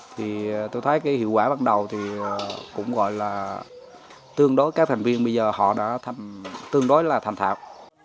thì tôi thấy cái hiệu quả bắt đầu thì cũng gọi là tương đối các thành viên bây giờ họ đã tương đối là thành thạo